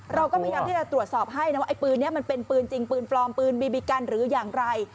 เราก็พยายามที่จะตรวจสอบให้นะว่าไอ้ปืนนี้มันเป็นปืนจริงปืนปลอมปืนบีบีกันหรืออย่างไร